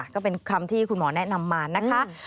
ก็เป็นคำที่คุณหมอแนะนำมานะคะ